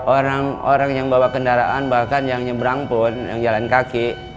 orang orang yang bawa kendaraan bahkan yang nyebrang pun yang jalan kaki